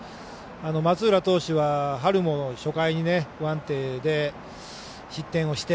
松浦投手は春も初回不安定で、失点をして